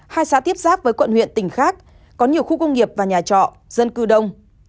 hai xã tiếp giáp với quận huyện tỉnh khác có nhiều khu công nghiệp và nhà trọ dân cư đông